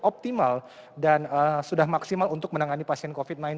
ini adalah satu tempat tidur optimal dan sudah maksimal untuk menangani pasien covid sembilan belas